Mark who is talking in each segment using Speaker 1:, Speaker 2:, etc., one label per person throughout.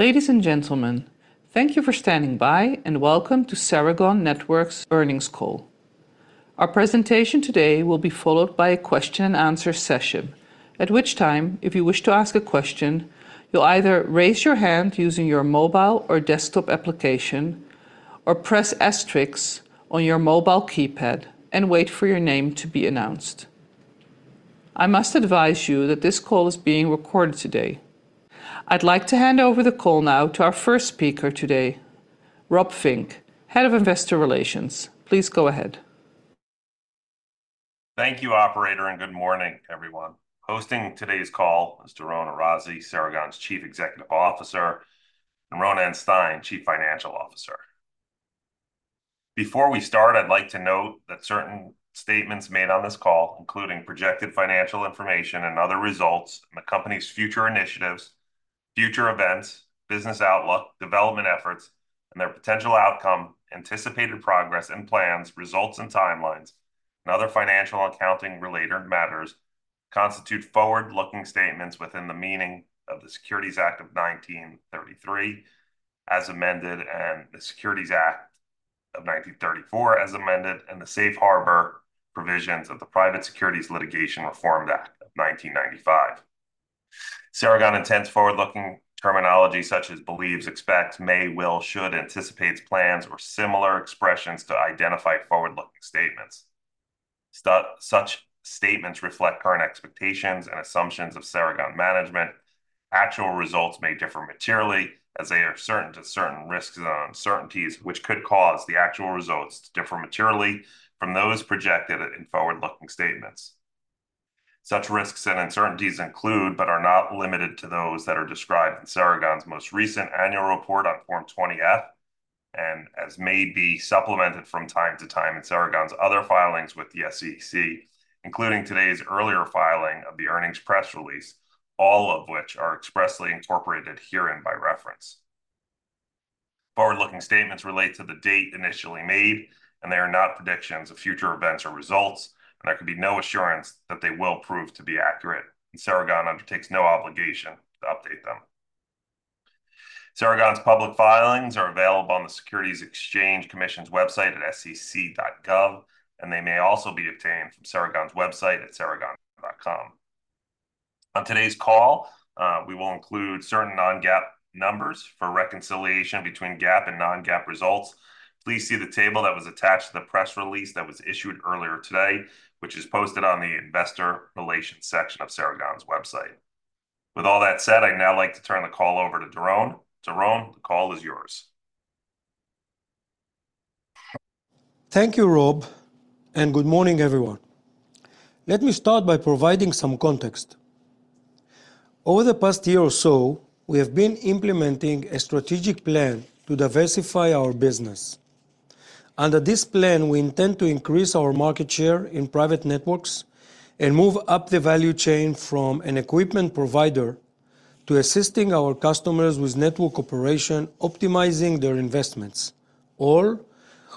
Speaker 1: Ladies and gentlemen, thank you for standing by, and welcome to Ceragon Networks' earnings call. Our presentation today will be followed by a question and answer session, at which time, if you wish to ask a question, you'll either raise your hand using your mobile or desktop application, or press asterisk on your mobile keypad and wait for your name to be announced. I must advise you that this call is being recorded today. I'd like to hand over the call now to our first speaker today, Rob Fink, Head of Investor Relations. Please go ahead.
Speaker 2: Thank you, operator, and good morning, everyone. Hosting today's call is Doron Arazi, Ceragon's Chief Executive Officer, and Ronen Stein, Chief Financial Officer. Before we start, I'd like to note that certain statements made on this call, including projected financial information and other results, and the company's future initiatives, future events, business outlook, development efforts, and their potential outcome, anticipated progress and plans, results and timelines, and other financial accounting-related matters, constitute forward-looking statements within the meaning of the Securities Act of 1933, as amended, and the Securities Act of 1934, as amended, and the safe harbor provisions of the Private Securities Litigation Reform Act of 1995. Ceragon intends forward-looking terminology such as believes, expects, may, will, should, anticipates, plans, or similar expressions to identify forward-looking statements. Such statements reflect current expectations and assumptions of Ceragon management. Actual results may differ materially as they are subject to certain risks and uncertainties, which could cause the actual results to differ materially from those projected in forward-looking statements. Such risks and uncertainties include, but are not limited to, those that are described in Ceragon's most recent annual report on Form 20-F, and as may be supplemented from time to time in Ceragon's other filings with the SEC, including today's earlier filing of the earnings press release, all of which are expressly incorporated herein by reference. Forward-looking statements relate to the date initially made, and they are not predictions of future events or results, and there can be no assurance that they will prove to be accurate, and Ceragon undertakes no obligation to update them. Ceragon's public filings are available on the Securities and Exchange Commission's website at sec.gov, and they may also be obtained from Ceragon's website at ceragon.com. On today's call, we will include certain non-GAAP numbers. For reconciliation between GAAP and non-GAAP results, please see the table that was attached to the press release that was issued earlier today, which is posted on the investor relations section of Ceragon's website. With all that said, I'd now like to turn the call over to Doron. Doron, the call is yours.
Speaker 3: Thank you, Rob, and good morning, everyone. Let me start by providing some context. Over the past year or so, we have been implementing a strategic plan to diversify our business. Under this plan, we intend to increase our market share in private networks and move up the value chain from an equipment provider to assisting our customers with network operation, optimizing their investments, all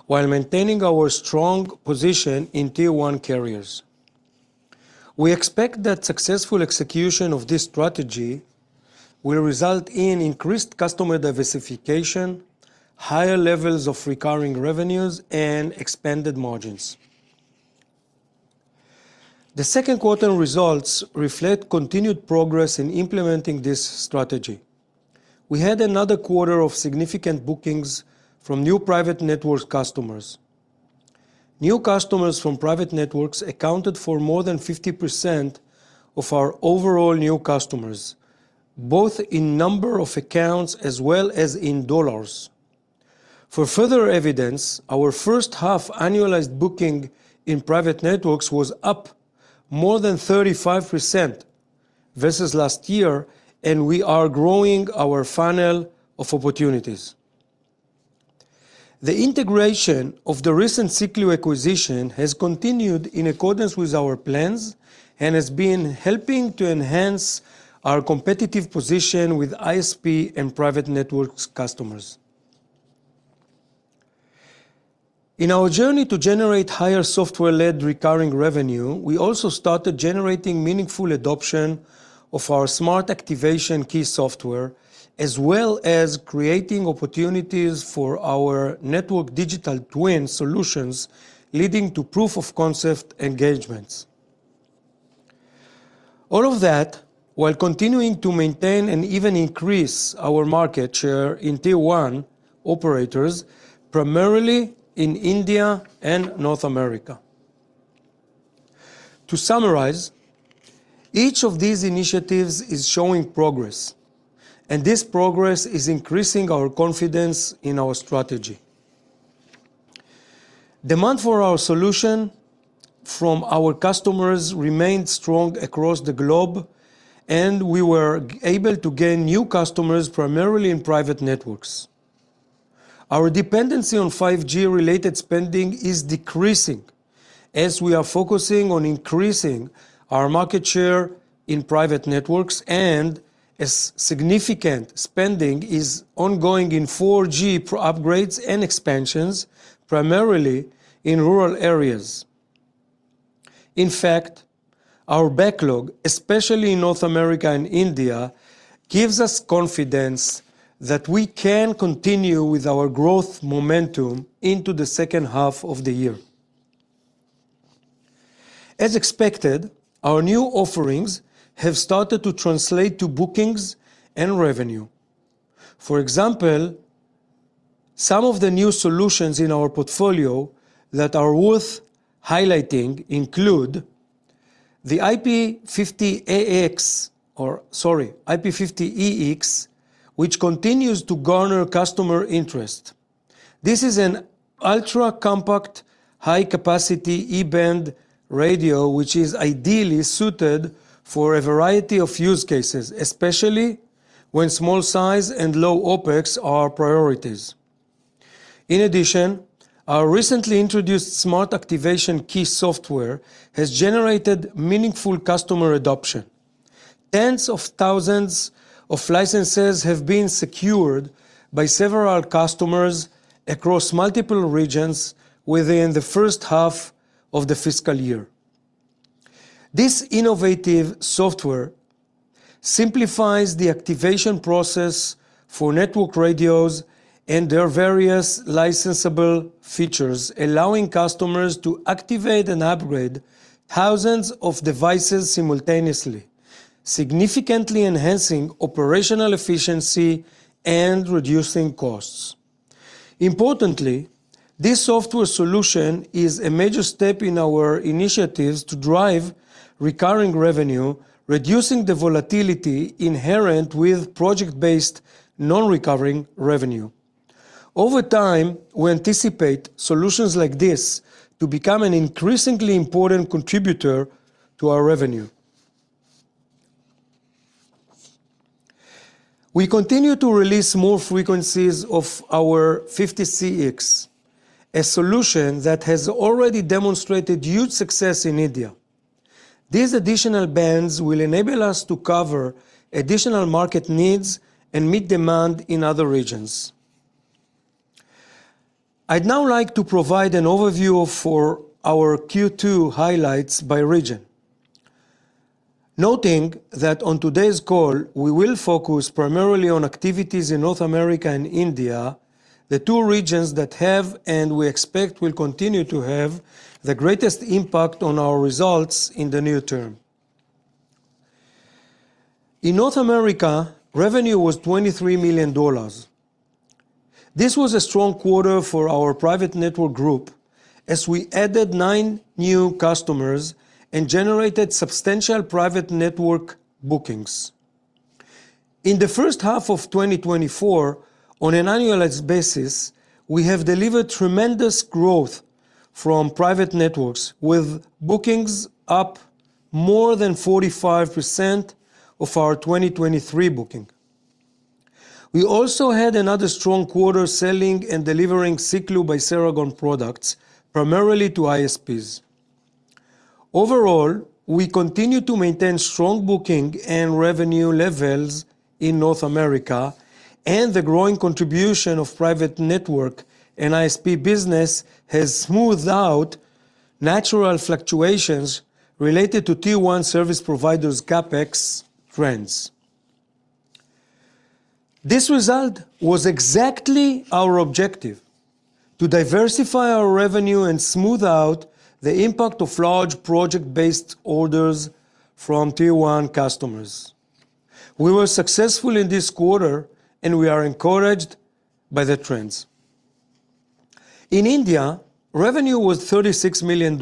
Speaker 3: while maintaining our strong position in Tier 1 carriers. We expect that successful execution of this strategy will result in increased customer diversification, higher levels of recurring revenues, and expanded margins. The second quarter results reflect continued progress in implementing this strategy. We had another quarter of significant bookings from new private network customers. New customers from private networks accounted for more than 50% of our overall new customers, both in number of accounts as well as in dollars. For further evidence, our first half annualized booking in private networks was up more than 35% versus last year, and we are growing our funnel of opportunities. The integration of the recent Siklu acquisition has continued in accordance with our plans and has been helping to enhance our competitive position with ISP and private networks customers. In our journey to generate higher software-led recurring revenue, we also started generating meaningful adoption of our Smart Activation Key software, as well as creating opportunities for our Network Digital Twin solutions, leading to proof of concept engagements. All of that while continuing to maintain and even increase our market share in Tier 1 operators, primarily in India and North America. To summarize, each of these initiatives is showing progress, and this progress is increasing our confidence in our strategy. Demand for our solution from our customers remained strong across the globe, and we were able to gain new customers, primarily in private networks. Our dependency on 5G-related spending is decreasing as we are focusing on increasing our market share in private networks and as significant spending is ongoing in 4G for upgrades and expansions, primarily in rural areas. In fact, our backlog, especially in North America and India, gives us confidence that we can continue with our growth momentum into the second half of the year. As expected, our new offerings have started to translate to bookings and revenue. For example, some of the new solutions in our portfolio that are worth highlighting include: the IP-50AX, or sorry, IP-50EX, which continues to garner customer interest. This is an ultra-compact, high-capacity E-band radio, which is ideally suited for a variety of use cases, especially when small size and low OpEx are priorities. In addition, our recently introduced Smart Activation Key software has generated meaningful customer adoption. Tens of thousands of licenses have been secured by several customers across multiple regions within the first half of the fiscal year. This innovative software simplifies the activation process for network radios and their various licensable features, allowing customers to activate and upgrade thousands of devices simultaneously, significantly enhancing operational efficiency and reducing costs. Importantly, this software solution is a major step in our initiatives to drive recurring revenue, reducing the volatility inherent with project-based, non-recurring revenue. Over time, we anticipate solutions like this to become an increasingly important contributor to our revenue. We continue to release more frequencies of our 50CX, a solution that has already demonstrated huge success in India. These additional bands will enable us to cover additional market needs and meet demand in other regions. I'd now like to provide an overview for our Q2 highlights by region, noting that on today's call, we will focus primarily on activities in North America and India, the two regions that have, and we expect will continue to have, the greatest impact on our results in the near term. In North America, revenue was $23 million. This was a strong quarter for our private network group as we added nine new customers and generated substantial private network bookings. In the first half of 2024, on an annualized basis, we have delivered tremendous growth from private networks, with bookings up more than 45% of our 2023 booking. We also had another strong quarter selling and delivering Siklu by Ceragon products, primarily to ISPs. Overall, we continue to maintain strong booking and revenue levels in North America, and the growing contribution of private network and ISP business has smoothed out natural fluctuations related to Tier 1 service providers' CapEx trends. This result was exactly our objective: to diversify our revenue and smooth out the impact of large project-based orders from Tier 1 customers. We were successful in this quarter, and we are encouraged by the trends. In India, revenue was $36 million.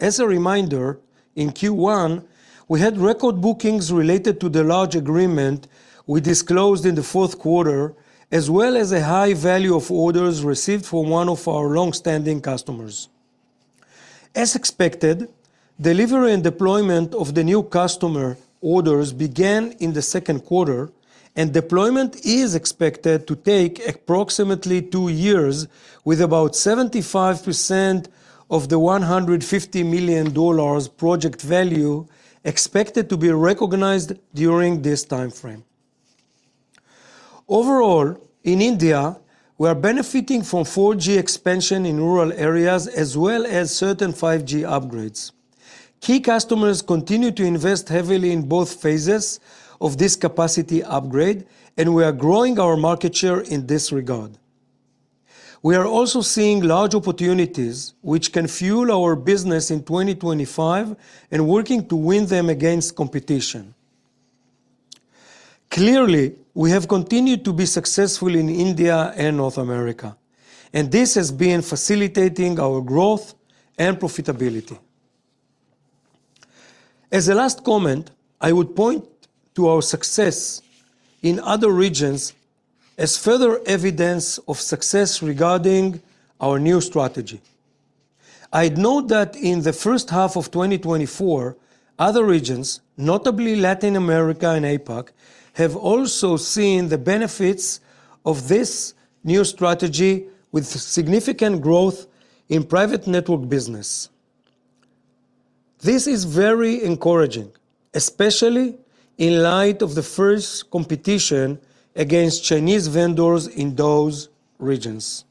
Speaker 3: As a reminder, in Q1, we had record bookings related to the large agreement we disclosed in the fourth quarter, as well as a high value of orders received from one of our long-standing customers. As expected, delivery and deployment of the new customer orders began in the second quarter, and deployment is expected to take approximately two years, with about 75% of the $150 million project value expected to be recognized during this timeframe. Overall, in India, we are benefiting from 4G expansion in rural areas, as well as certain 5G upgrades. Key customers continue to invest heavily in both phases of this capacity upgrade, and we are growing our market share in this regard. We are also seeing large opportunities, which can fuel our business in 2025 and working to win them against competition. Clearly, we have continued to be successful in India and North America, and this has been facilitating our growth and profitability. As a last comment, I would point to our success in other regions as further evidence of success regarding our new strategy. I'd note that in the first half of 2024, other regions, notably Latin America and APAC, have also seen the benefits of this new strategy with significant growth in private network business. This is very encouraging, especially in light of the fierce competition against Chinese vendors in those regions....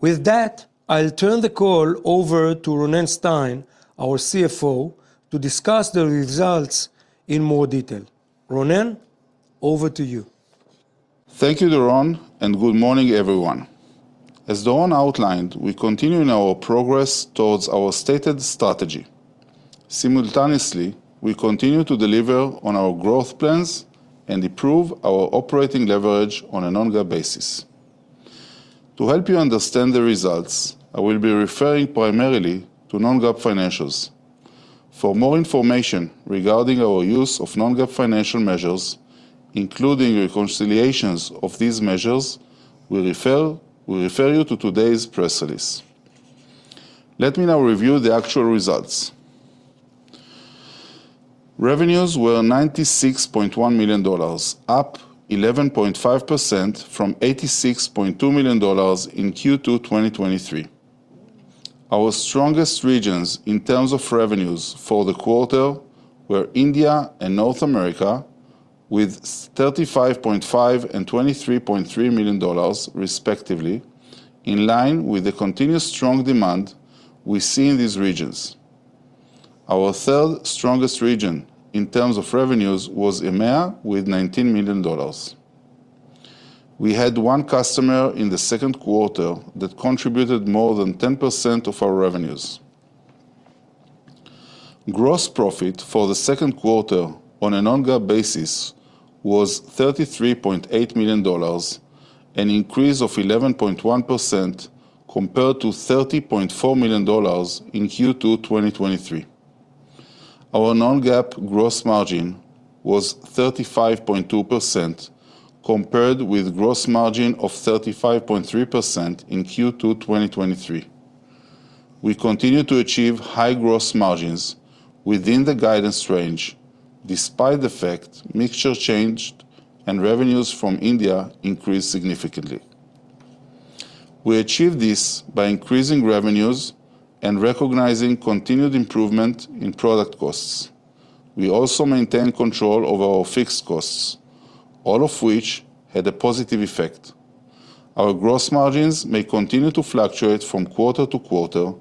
Speaker 3: With that, I'll turn the call over to Ronen Stein, our CFO, to discuss the results in more detail. Ronen, over to you.
Speaker 4: Thank you, Doron, and good morning, everyone. As Doron outlined, we're continuing our progress towards our stated strategy. Simultaneously, we continue to deliver on our growth plans and improve our operating leverage on a non-GAAP basis. To help you understand the results, I will be referring primarily to non-GAAP financials. For more information regarding our use of non-GAAP financial measures, including reconciliations of these measures, we refer you to today's press release. Let me now review the actual results. Revenues were $96.1 million, up 11.5% from $86.2 million in Q2 2023. Our strongest regions in terms of revenues for the quarter were India and North America, with $35.5 million and $23.3 million, respectively, in line with the continuous strong demand we see in these regions. Our third strongest region in terms of revenues was EMEA, with $19 million. We had one customer in the second quarter that contributed more than 10% of our revenues. Gross profit for the second quarter on a non-GAAP basis was $33.8 million, an increase of 11.1% compared to $30.4 million in Q2 2023. Our non-GAAP gross margin was 35.2%, compared with gross margin of 35.3% in Q2 2023. We continue to achieve high gross margins within the guidance range, despite the fact mixture changed and revenues from India increased significantly. We achieved this by increasing revenues and recognizing continued improvement in product costs. We also maintained control over our fixed costs, all of which had a positive effect. Our gross margins may continue to fluctuate from quarter to quarter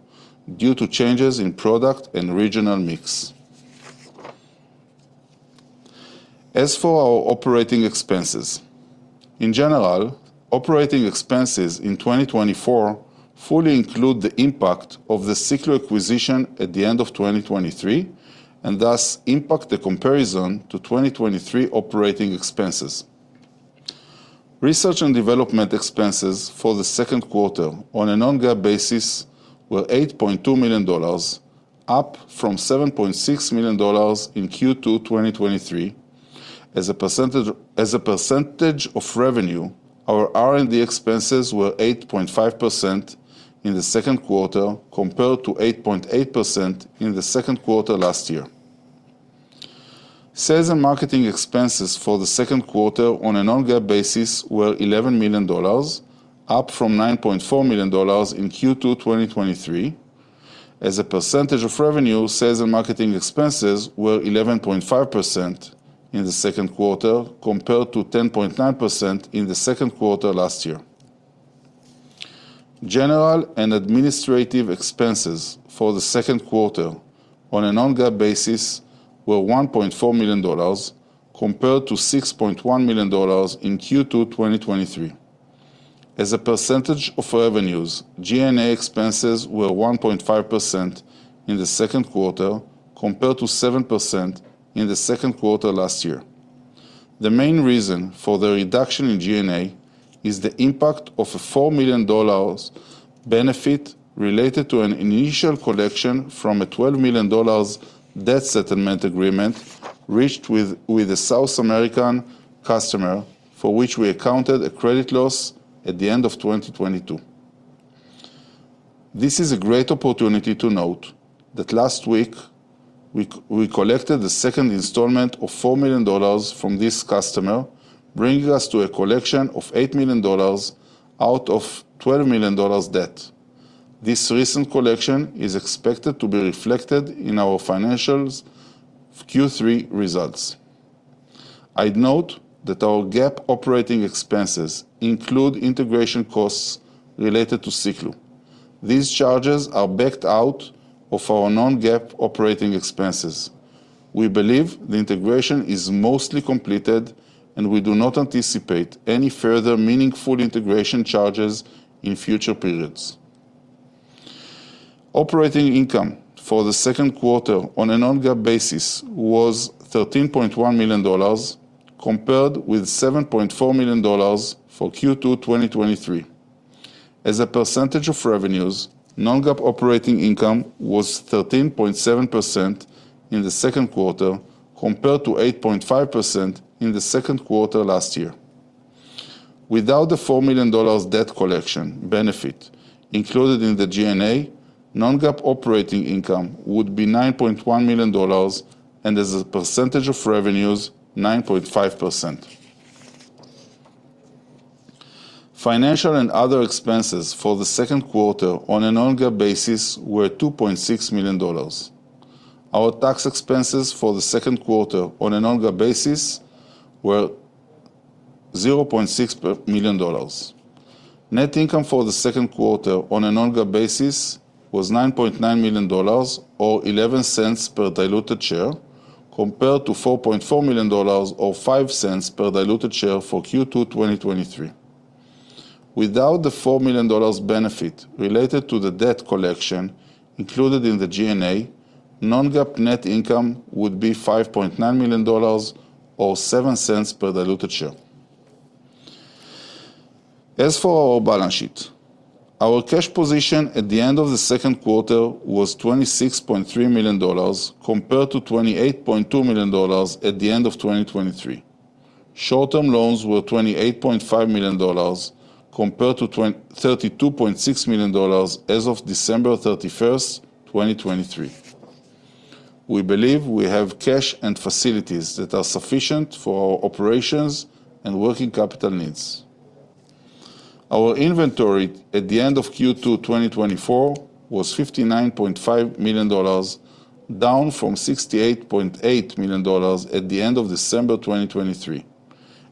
Speaker 4: due to changes in product and regional mix. As for our operating expenses, in general, operating expenses in 2024 fully include the impact of the Siklu acquisition at the end of 2023 and thus impact the comparison to 2023 operating expenses. Research and development expenses for the second quarter on a non-GAAP basis were $8.2 million, up from $7.6 million in Q2 2023. As a percentage, as a percentage of revenue, our R&D expenses were 8.5% in the second quarter, compared to 8.8% in the second quarter last year. Sales and marketing expenses for the second quarter on a non-GAAP basis were $11 million, up from $9.4 million in Q2 2023. As a percentage of revenue, sales and marketing expenses were 11.5% in the second quarter, compared to 10.9% in the second quarter last year. General and administrative expenses for the second quarter on a non-GAAP basis were $1.4 million, compared to $6.1 million in Q2 2023. As a percentage of revenues, G&A expenses were 1.5% in the second quarter, compared to 7% in the second quarter last year. The main reason for the reduction in G&A is the impact of a $4 million benefit related to an initial collection from a $12 million debt settlement agreement reached with a South American customer, for which we accounted a credit loss at the end of 2022. This is a great opportunity to note that last week, we collected the second installment of $4 million from this customer, bringing us to a collection of $8 million out of $12 million debt. This recent collection is expected to be reflected in our financials Q3 results. I'd note that our GAAP operating expenses include integration costs related to Siklu. These charges are backed out of our non-GAAP operating expenses. We believe the integration is mostly completed, and we do not anticipate any further meaningful integration charges in future periods. Operating income for the second quarter on a non-GAAP basis was $13.1 million, compared with $7.4 million for Q2 2023. As a percentage of revenues, non-GAAP operating income was 13.7% in the second quarter, compared to 8.5% in the second quarter last year. Without the $4 million debt collection benefit included in the G&A, non-GAAP operating income would be $9.1 million, and as a percentage of revenues, 9.5%. Financial and other expenses for the second quarter on a non-GAAP basis were $2.6 million. Our tax expenses for the second quarter on a non-GAAP basis were $0.6 million. Net income for the second quarter on a non-GAAP basis was $9.9 million or $0.11 per diluted share, compared to $4.4 million or $0.05 per diluted share for Q2 2023. Without the $4 million benefit related to the debt collection included in the G&A, non-GAAP net income would be $5.9 million or $0.07 per diluted share. As for our balance sheet, our cash position at the end of the second quarter was $26.3 million, compared to $28.2 million at the end of 2023. Short-term loans were $28.5 million, compared to $32.6 million as of December 31st, 2023. We believe we have cash and facilities that are sufficient for our operations and working capital needs. Our inventory at the end of Q2 2024 was $59.5 million, down from $68.8 million at the end of December 2023,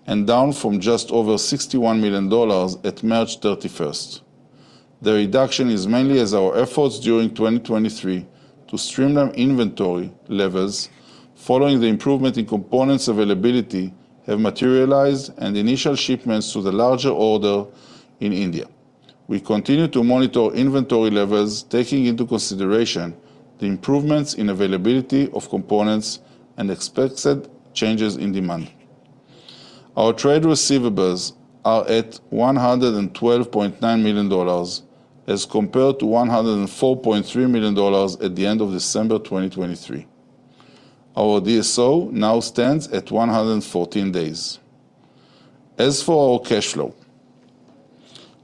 Speaker 4: and down from just over $61 million at March 31st. The reduction is mainly as our efforts during 2023 to streamline inventory levels following the improvement in components availability have materialized, and initial shipments to the larger order in India. We continue to monitor inventory levels, taking into consideration the improvements in availability of components and expected changes in demand. Our trade receivables are at $112.9 million, as compared to $104.3 million at the end of December 2023. Our DSO now stands at 114 days. As for our cash flow,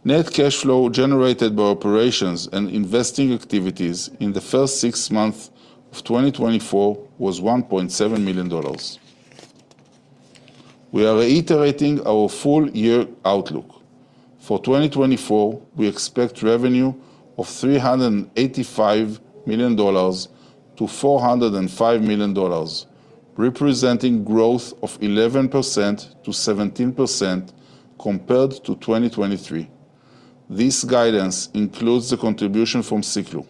Speaker 4: net cash flow generated by operations and investing activities in the first six months of 2024 was $1.7 million. We are reiterating our full year outlook. For 2024, we expect revenue of $385 million-$405 million, representing growth of 11%-17% compared to 2023. This guidance includes the contribution from Siklu.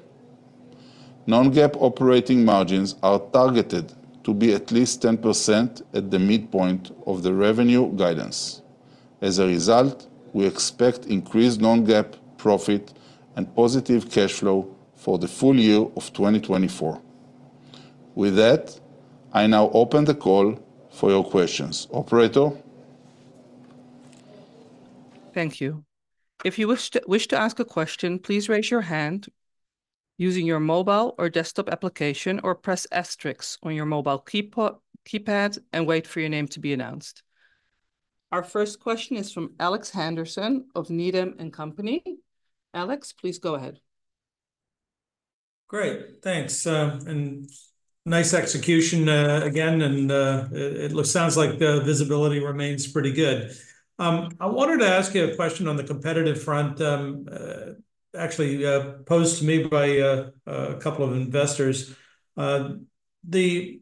Speaker 4: Non-GAAP operating margins are targeted to be at least 10% at the midpoint of the revenue guidance. As a result, we expect increased non-GAAP profit and positive cash flow for the full year of 2024. With that, I now open the call for your questions. Operator?
Speaker 1: Thank you. If you wish to ask a question, please raise your hand using your mobile or desktop application or press asterisk on your mobile keypads and wait for your name to be announced. Our first question is from Alex Henderson of Needham & Company. Alex, please go ahead.
Speaker 5: Great, thanks, and nice execution, again, and it looks, sounds like the visibility remains pretty good. I wanted to ask you a question on the competitive front, actually, posed to me by a couple of investors. One of the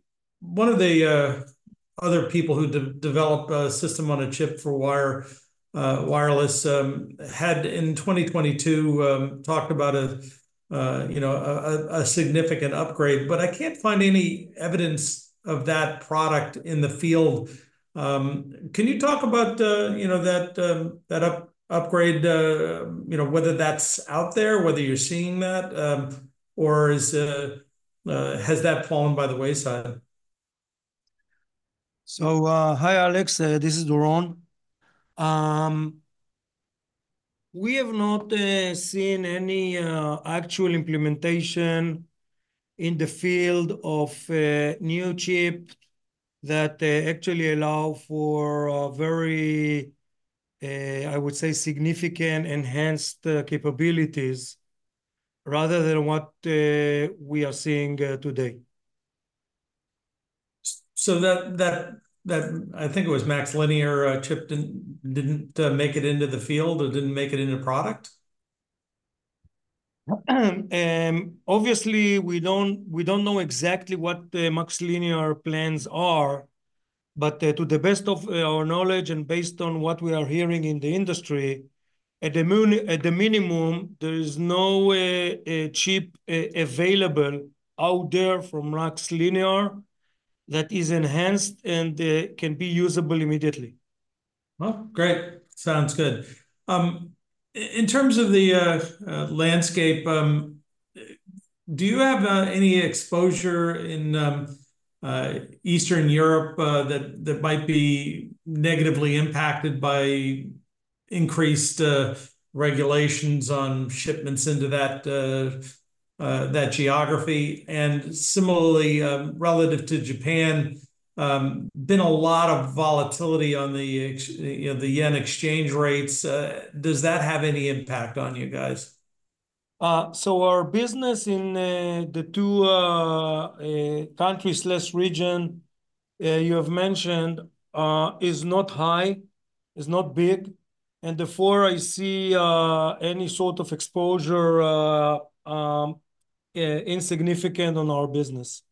Speaker 5: other people who developed a system on a chip for wireless had in 2022 talked about a, you know, a significant upgrade, but I can't find any evidence of that product in the field. Can you talk about, you know, that upgrade, you know, whether that's out there, whether you're seeing that, or is has that fallen by the wayside?
Speaker 3: So, hi, Alex, this is Doron. We have not seen any actual implementation in the field of new chip that actually allow for very, I would say, significant enhanced capabilities rather than what we are seeing today.
Speaker 5: So that I think it was MaxLinear chip didn't make it into the field or didn't make it into product?
Speaker 3: Obviously, we don't know exactly what the MaxLinear plans are, but to the best of our knowledge and based on what we are hearing in the industry, at the minimum, there is no chip available out there from MaxLinear that is enhanced and can be usable immediately.
Speaker 5: Well, great. Sounds good. In terms of the landscape, do you have any exposure in Eastern Europe that might be negatively impacted by increased regulations on shipments into that geography? And similarly, relative to Japan, been a lot of volatility on the ex, you know, the yen exchange rates. Does that have any impact on you guys?
Speaker 3: So our business in the two countries you have mentioned is not high, is not big, and therefore I see any sort of exposure insignificant on our business.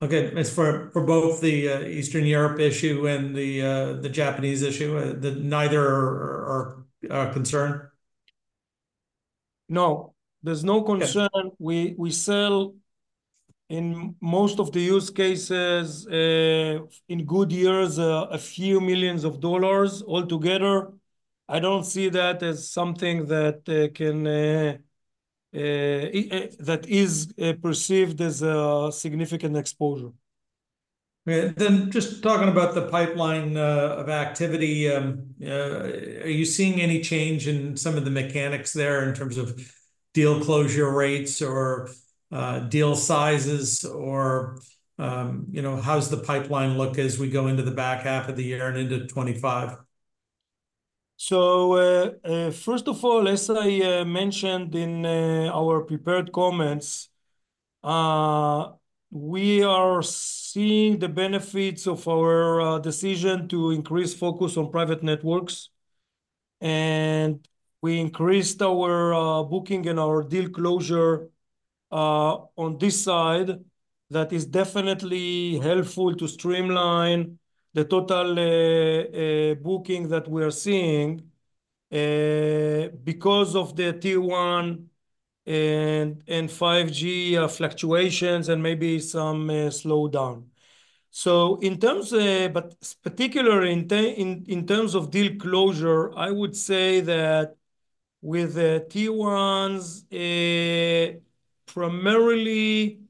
Speaker 5: Okay, as for both the Eastern Europe issue and the Japanese issue, that neither are concern?
Speaker 3: No, there's no concern.
Speaker 5: Yeah.
Speaker 3: We sell in most of the use cases, in good years, $a few million all together. I don't see that as something that is perceived as a significant exposure.
Speaker 5: Yeah, then just talking about the pipeline of activity, are you seeing any change in some of the mechanics there in terms of deal closure rates or, deal sizes, or, you know, how's the pipeline look as we go into the back half of the year and into 2025?
Speaker 3: So, first of all, as I mentioned in our prepared comments, we are seeing the benefits of our decision to increase focus on private networks, and we increased our booking and our deal closure on this side. That is definitely helpful to streamline the total booking that we are seeing because of the Tier 1 and 5G fluctuations and maybe some slowdown. So in terms, but particularly in terms of deal closure, I would say that with the Tier 1s primarily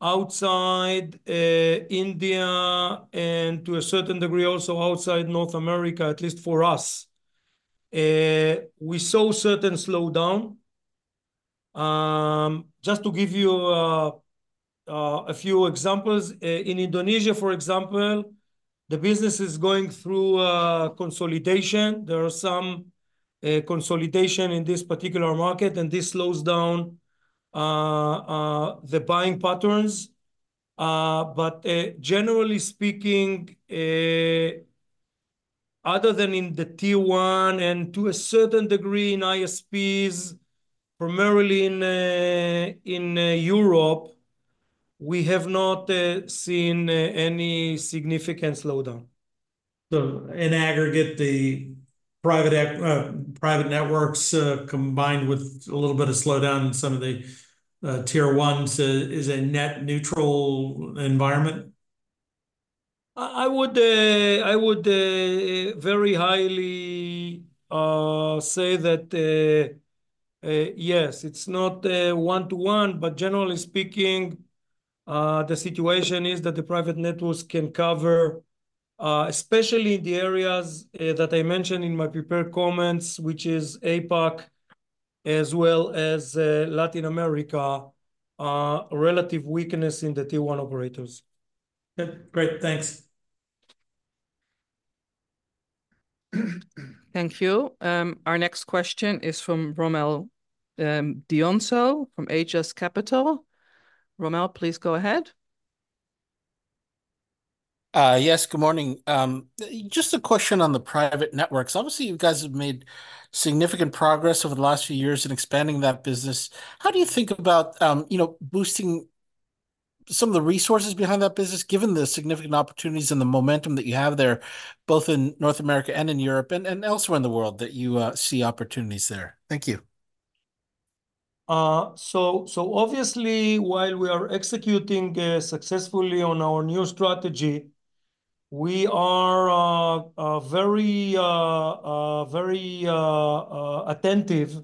Speaker 3: outside India, and to a certain degree, also outside North America, at least for us, we saw certain slowdown. Just to give you a few examples, in Indonesia, for example, the business is going through consolidation. There are some consolidation in this particular market, and this slows down the buying patterns. But generally speaking, other than in the Tier 1 and to a certain degree in ISPs, primarily in Europe, we have not seen any significant slowdown.
Speaker 5: So in aggregate, the private networks, combined with a little bit of slowdown in some of the Tier 1, so is a net neutral environment?
Speaker 3: I would very highly say that yes, it's not one-to-one, but generally speaking, the situation is that the private networks can cover, especially the areas that I mentioned in my prepared comments, which is APAC, as well as Latin America, relative weakness in the Tier 1 operators.
Speaker 5: Good. Great, thanks.
Speaker 1: Thank you. Our next question is from Rommel Dionisio, from Aegis Capital. Rommel, please go ahead.
Speaker 6: Yes, good morning. Just a question on the private networks. Obviously, you guys have made significant progress over the last few years in expanding that business. How do you think about, you know, boosting some of the resources behind that business, given the significant opportunities and the momentum that you have there, both in North America and in Europe, and, and elsewhere in the world, that you see opportunities there? Thank you.
Speaker 3: So obviously, while we are executing successfully on our new strategy, we are very attentive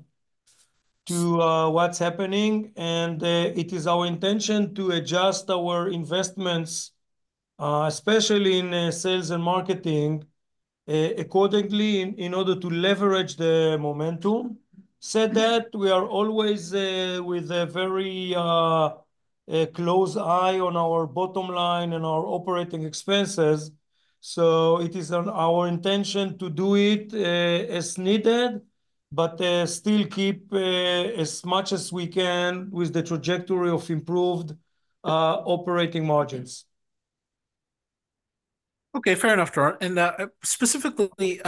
Speaker 3: to what's happening. And it is our intention to adjust our investments, especially in sales and marketing, accordingly, in order to leverage the momentum. Said that, we are always with a very close eye on our bottom line and our operating expenses, so it is on our intention to do it as needed, but still keep as much as we can with the trajectory of improved operating margins.
Speaker 6: Okay, fair enough, Doron. Specifically,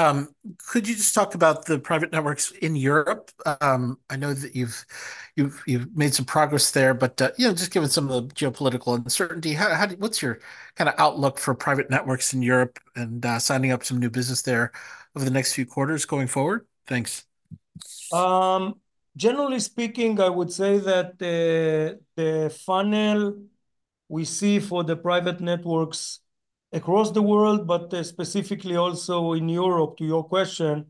Speaker 6: could you just talk about the private networks in Europe? I know that you've made some progress there, but you know, just given some of the geopolitical uncertainty, how what's your kinda outlook for private networks in Europe and signing up some new business there over the next few quarters going forward? Thanks.
Speaker 3: Generally speaking, I would say that the funnel we see for the private networks across the world, but specifically also in Europe, to your question,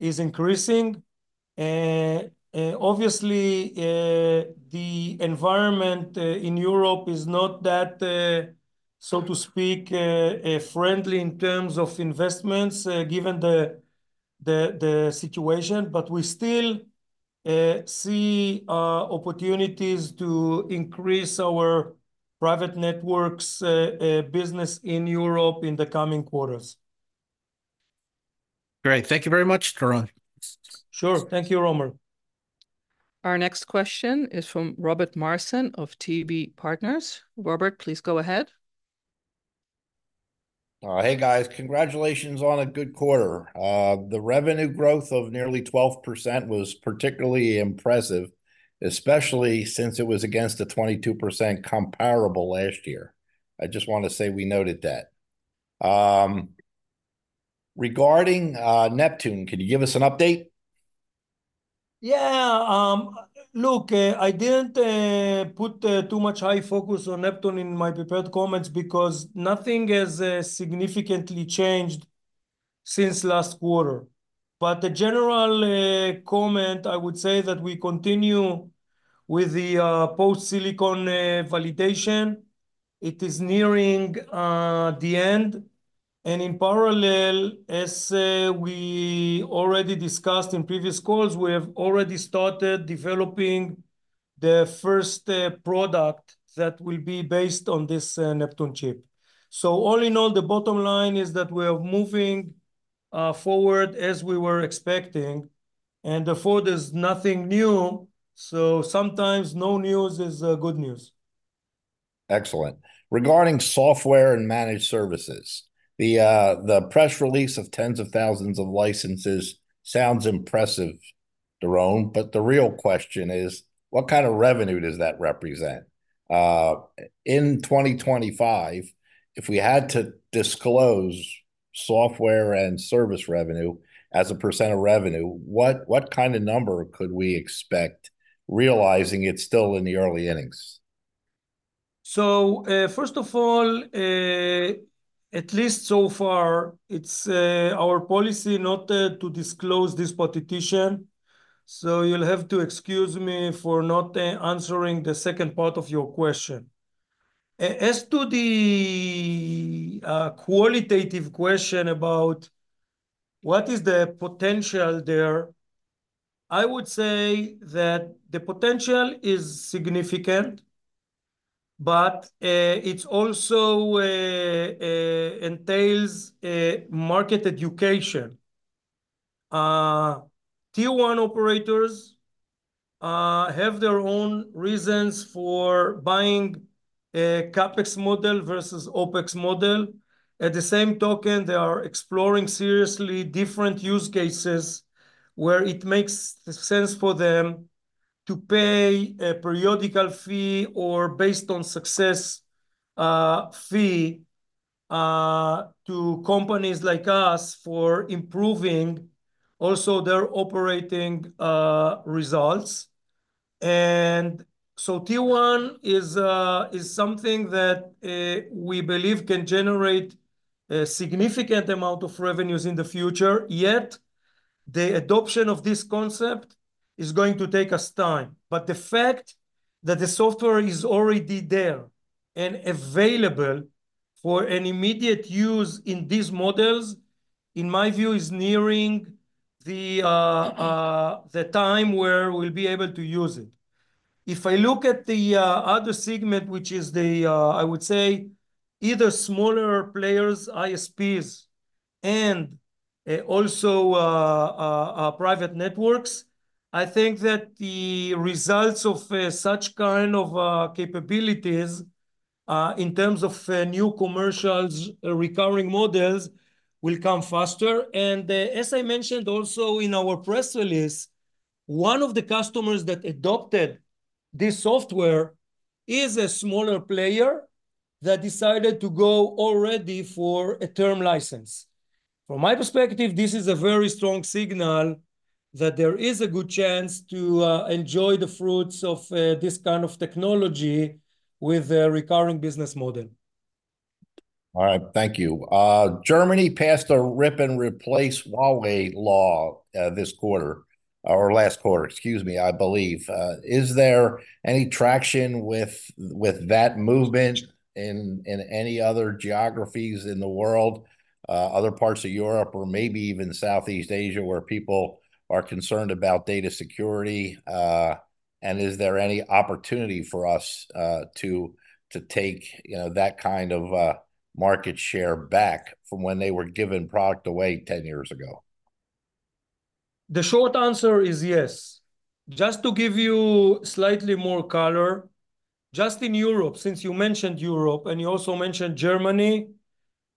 Speaker 3: is increasing. Obviously, the environment in Europe is not that, so to speak, friendly in terms of investments, given the situation, but we still see opportunities to increase our private networks business in Europe in the coming quarters....
Speaker 6: Great. Thank you very much, Doron.
Speaker 3: Sure. Thank you, Omer.
Speaker 1: Our next question is from Robert Marcin of TB Partners. Robert, please go ahead.
Speaker 7: Hey, guys, congratulations on a good quarter. The revenue growth of nearly 12% was particularly impressive, especially since it was against a 22% comparable last year. I just want to say we noted that. Regarding Neptune, can you give us an update?
Speaker 3: Yeah, look, I didn't put too much high focus on Neptune in my prepared comments because nothing has significantly changed since last quarter. But the general comment, I would say, that we continue with the post-silicon validation. It is nearing the end, and in parallel, as we already discussed in previous calls, we have already started developing the first product that will be based on this Neptune chip. So all in all, the bottom line is that we're moving forward as we were expecting, and therefore there's nothing new, so sometimes no news is good news.
Speaker 7: Excellent. Regarding software and managed services, the press release of tens of thousands of licenses sounds impressive, Doron, but the real question is, what kind of revenue does that represent? In 2025, if we had to disclose software and service revenue as a percent of revenue, what kind of number could we expect, realizing it's still in the early innings?
Speaker 3: So, first of all, at least so far, it's our policy not to disclose this portion, so you'll have to excuse me for not answering the second part of your question. As to the qualitative question about what is the potential there, I would say that the potential is significant, but it's also entails a market education. Tier 1 operators have their own reasons for buying a CapEx model versus OpEx model. At the same time, they are exploring seriously different use cases where it makes sense for them to pay a periodical fee or based on success, fee, to companies like us for improving also their operating results. And so Tier 1 is, is something that, we believe can generate a significant amount of revenues in the future, yet the adoption of this concept is going to take us time. But the fact that the software is already there and available for an immediate use in these models, in my view, is nearing the, the time where we'll be able to use it. If I look at the, other segment, which is the, I would say either smaller players, ISPs, and, also, private networks, I think that the results of, such kind of, capabilities, in terms of, new commercials, recurring models, will come faster. As I mentioned also in our press release, one of the customers that adopted this software is a smaller player that decided to go already for a term license. From my perspective, this is a very strong signal that there is a good chance to enjoy the fruits of this kind of technology with a recurring business model.
Speaker 7: All right, thank you. Germany passed a rip-and-replace Huawei law, this quarter, or last quarter, excuse me, I believe. Is there any traction with that movement in any other geographies in the world, other parts of Europe or maybe even Southeast Asia, where people are concerned about data security? And is there any opportunity for us to take, you know, that kind of market share back from when they were giving product away 10 years ago?
Speaker 3: The short answer is yes. Just to give you slightly more color, just in Europe, since you mentioned Europe, and you also mentioned Germany,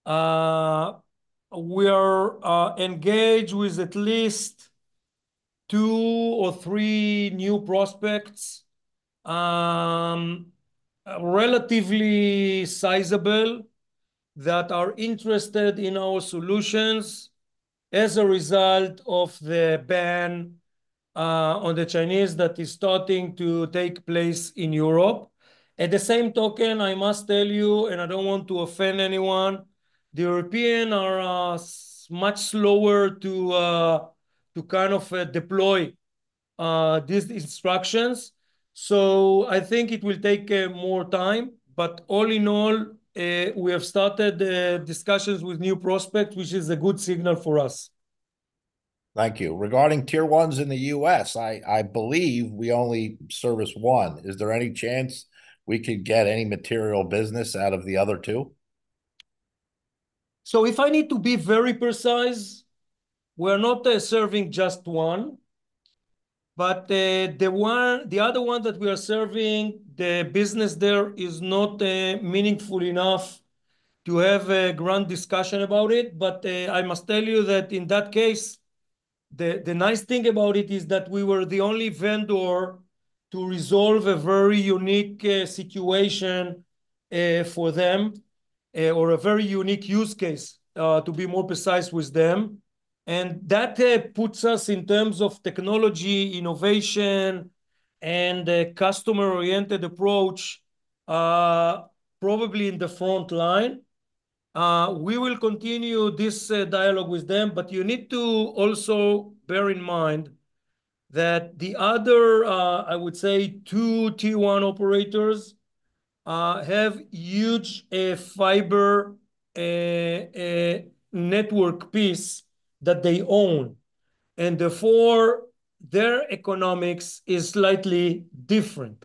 Speaker 3: we are engaged with at least two or three new prospects, relatively sizable, that are interested in our solutions as a result of the ban on the Chinese that is starting to take place in Europe. At the same token, I must tell you, and I don't want to offend anyone, the Europeans are so much slower to kind of deploy these instructions, so I think it will take more time. But all in all, we have started discussions with new prospects, which is a good signal for us....
Speaker 7: Thank you. Regarding Tier 1s in the U.S., I believe we only service one. Is there any chance we could get any material business out of the other two?
Speaker 3: So if I need to be very precise, we're not serving just one, but the one—the other one that we are serving, the business there is not meaningful enough to have a grand discussion about it. But I must tell you that in that case, the nice thing about it is that we were the only vendor to resolve a very unique situation for them or a very unique use case to be more precise with them. And that puts us in terms of technology, innovation, and a customer-oriented approach probably in the front line. We will continue this dialogue with them, but you need to also bear in mind that the other, I would say, two Tier 1 operators have huge fiber network piece that they own, and therefore, their economics is slightly different.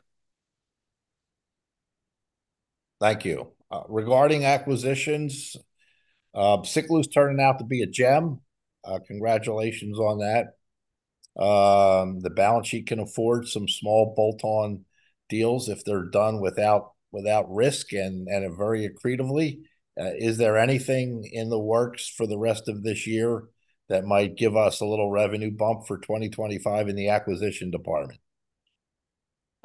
Speaker 7: Thank you. Regarding acquisitions, Siklu's turning out to be a gem. Congratulations on that. The balance sheet can afford some small bolt-on deals if they're done without risk and very accretively. Is there anything in the works for the rest of this year that might give us a little revenue bump for 2025 in the acquisition department?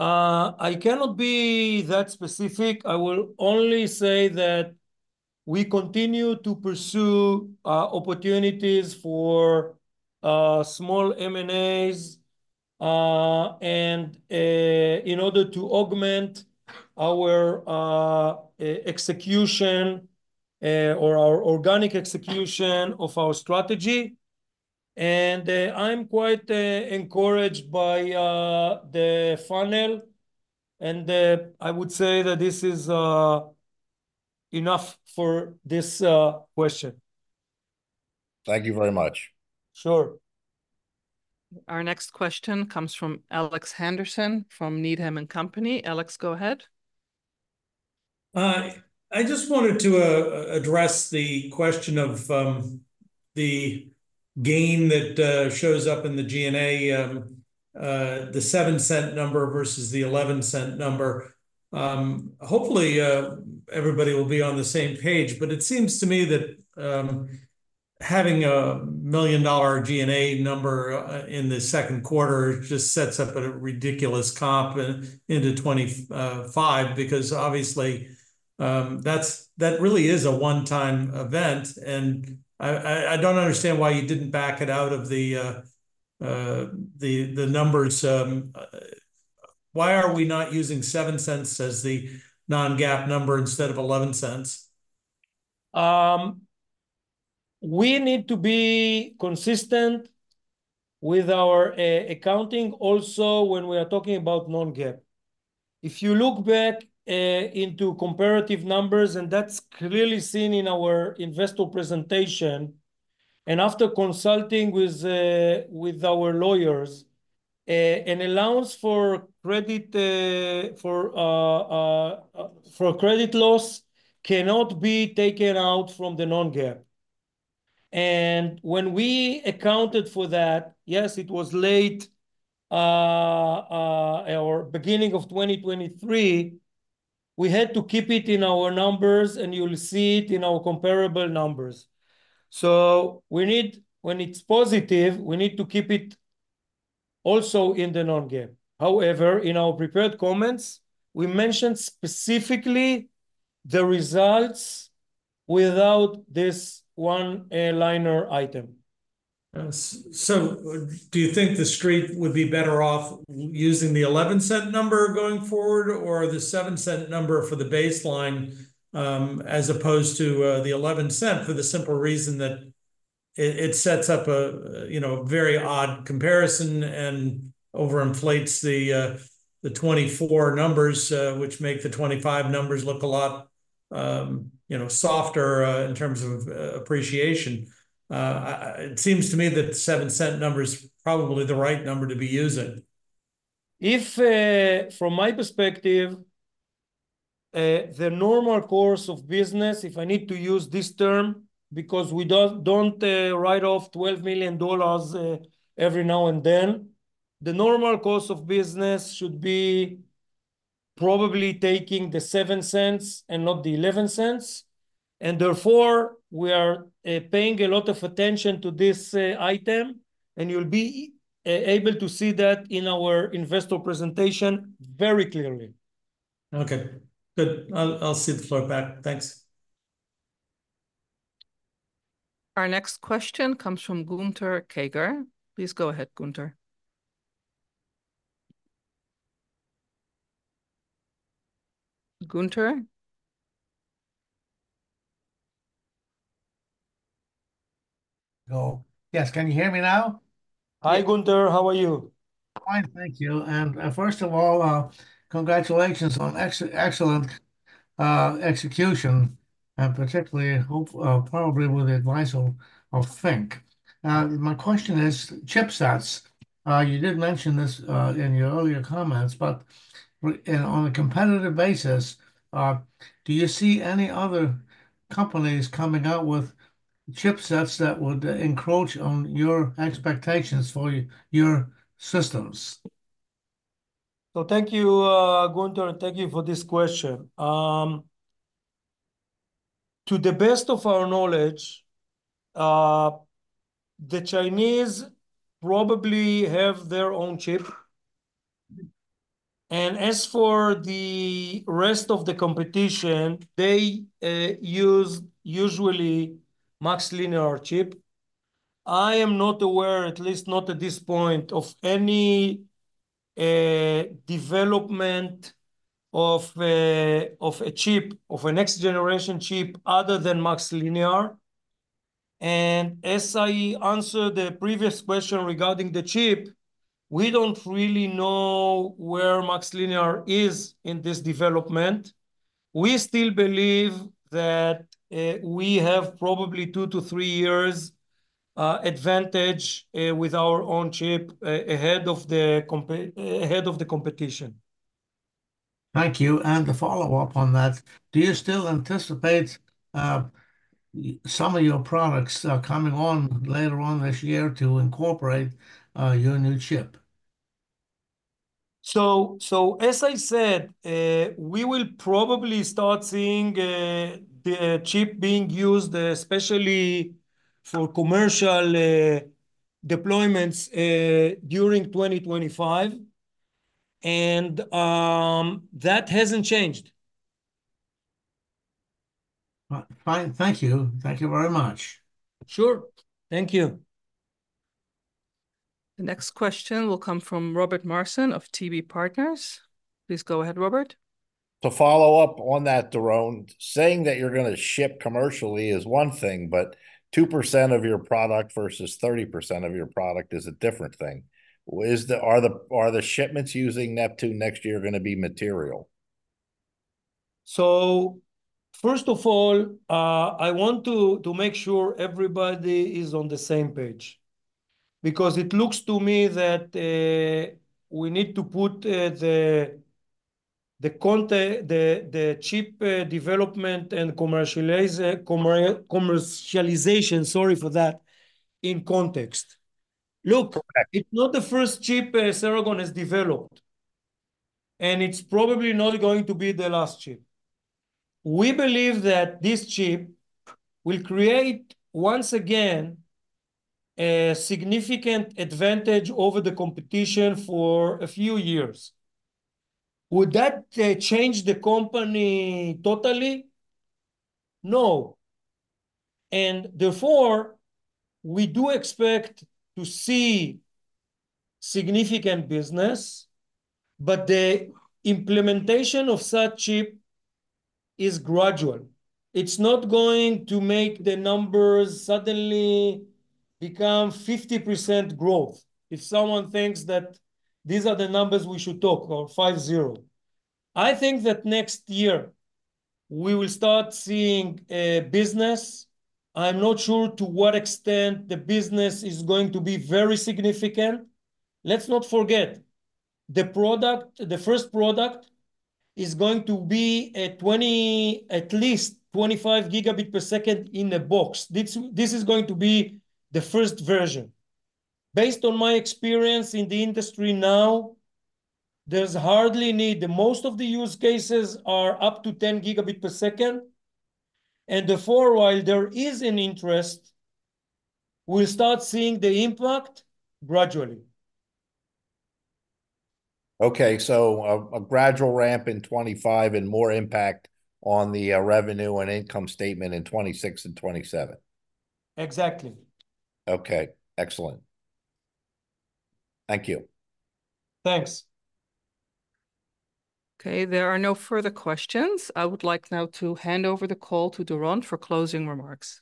Speaker 3: I cannot be that specific. I will only say that we continue to pursue opportunities for small M&As, and in order to augment our organic execution of our strategy. And I'm quite encouraged by the funnel, and I would say that this is enough for this question.
Speaker 7: Thank you very much.
Speaker 3: Sure.
Speaker 1: Our next question comes from Alex Henderson from Needham & Company. Alex, go ahead.
Speaker 5: I just wanted to address the question of the gain that shows up in the G&A, the $0.07 number versus the $0.11 number. Hopefully, everybody will be on the same page, but it seems to me that having a $1 million G&A number in the second quarter just sets up a ridiculous comp into 2025, because obviously, that's, that really is a one-time event. And I don't understand why you didn't back it out of the numbers. Why are we not using $0.07 as the non-GAAP number instead of $0.11?
Speaker 3: We need to be consistent with our accounting also when we are talking about non-GAAP. If you look back into comparative numbers, and that's clearly seen in our investor presentation, and after consulting with our lawyers, an allowance for a credit loss cannot be taken out from the non-GAAP. And when we accounted for that, yes, it was late or beginning of 2023, we had to keep it in our numbers, and you'll see it in our comparable numbers. So we need, when it's positive, to keep it also in the non-GAAP. However, in our prepared comments, we mentioned specifically the results without this one-time item.
Speaker 5: So do you think the Street would be better off using the $0.11 number going forward, or the $0.07 number for the baseline, as opposed to the $0.11, for the simple reason that it sets up a, you know, very odd comparison and overinflates the 2024 numbers, which make the 2025 numbers look a lot, you know, softer in terms of appreciation? It seems to me that the $0.07 number is probably the right number to be using.
Speaker 3: If, from my perspective, the normal course of business, if I need to use this term, because we don't write off $12 million every now and then, the normal course of business should be probably taking the $0.07 and not the $0.11, and therefore, we are paying a lot of attention to this item, and you'll be able to see that in our investor presentation very clearly.
Speaker 5: Okay. Good. I'll, I'll cede the floor back. Thanks.
Speaker 1: Our next question comes from Gunther Karger. Please go ahead, Gunther. Gunther?
Speaker 8: No. Yes, can you hear me now?
Speaker 3: Hi, Gunther. How are you?...
Speaker 8: Fine, thank you. First of all, congratulations on excellent execution, and particularly hope probably with the advice of Fink. My question is chipsets. You did mention this in your earlier comments, but and on a competitive basis, do you see any other companies coming out with chipsets that would encroach on your expectations for your systems?
Speaker 3: So thank you, Gunther, and thank you for this question. To the best of our knowledge, the Chinese probably have their own chip. And as for the rest of the competition, they use usually MaxLinear chip. I am not aware, at least not at this point, of any development of a chip, of a next-generation chip other than MaxLinear. And as I answered the previous question regarding the chip, we don't really know where MaxLinear is in this development. We still believe that we have probably 2-3 years advantage with our own chip ahead of the competition.
Speaker 8: Thank you, and to follow up on that, do you still anticipate some of your products coming on later on this year to incorporate your new chip?
Speaker 3: As I said, we will probably start seeing the chip being used, especially for commercial deployments during 2025, and that hasn't changed.
Speaker 8: Well, fine. Thank you. Thank you very much.
Speaker 3: Sure. Thank you.
Speaker 1: The next question will come from Robert Marcin of TB Partners. Please go ahead, Robert.
Speaker 7: To follow up on that, Doron, saying that you're going to ship commercially is one thing, but 2% of your product versus 30% of your product is a different thing. Are the shipments using Neptune next year going to be material?
Speaker 3: So first of all, I want to make sure everybody is on the same page, because it looks to me that we need to put the chip development and commercialization, sorry for that, in context. Look-
Speaker 7: Right...
Speaker 3: it's not the first chip, Ceragon has developed, and it's probably not going to be the last chip. We believe that this chip will create, once again, a significant advantage over the competition for a few years. Would that, change the company totally? No. And therefore, we do expect to see significant business, but the implementation of such chip is gradual. It's not going to make the numbers suddenly become 50% growth, if someone thinks that these are the numbers we should talk, or 50. I think that next year we will start seeing, business. I'm not sure to what extent the business is going to be very significant. Let's not forget, the product, the first product is going to be a 20, at least 25 Gbps in a box. This, this is going to be the first version. Based on my experience in the industry now, there's hardly need. The most of the use cases are up to 10 Gbps, and therefore, while there is an interest, we'll start seeing the impact gradually.
Speaker 7: Okay, so a gradual ramp in 2025 and more impact on the revenue and income statement in 2026 and 2027.
Speaker 3: Exactly.
Speaker 7: Okay. Excellent. Thank you.
Speaker 3: Thanks.
Speaker 1: Okay, there are no further questions. I would like now to hand over the call to Doron for closing remarks.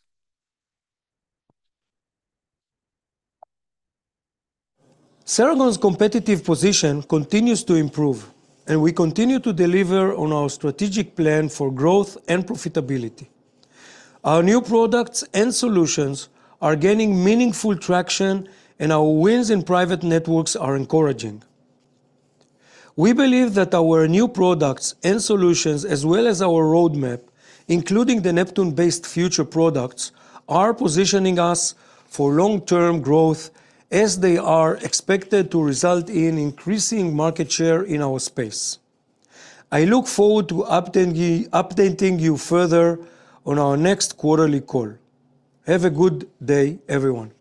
Speaker 3: Ceragon's competitive position continues to improve, and we continue to deliver on our strategic plan for growth and profitability. Our new products and solutions are gaining meaningful traction, and our wins in private networks are encouraging. We believe that our new products and solutions, as well as our roadmap, including the Neptune-based future products, are positioning us for long-term growth as they are expected to result in increasing market share in our space. I look forward to updating you, updating you further on our next quarterly call. Have a good day, everyone.